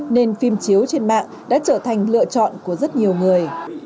nên phim chiếu trên mạng đã trở thành lựa chọn của rất nhiều người